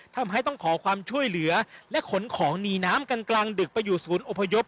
ทำให้ต้องขอความช่วยเหลือและขนของหนีน้ำกันกลางดึกไปอยู่ศูนย์อพยพ